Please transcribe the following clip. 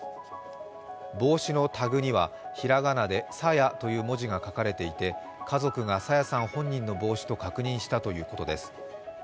帽子のタグにはひらがなで「さや」という文字が書かれていて家族が朝芽さん本人の帽子と確認したということです。